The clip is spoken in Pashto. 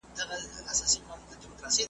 د رحمن بابا شعر ولي تر اوسه ژوندی دی؟ `